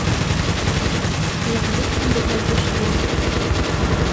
Як быццам бы глядзіш фільм.